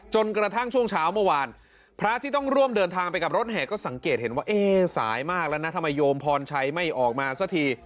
จนกระทั่งช่วงเช้าเมื่อวานพระที่ต้องร่วมเดินทางไปกับรถแห่ก็สังเกตเห็นว่าเอ๊ะสายมากแล้วนะทำไมโยมพรชัยไม่ออกมาสักที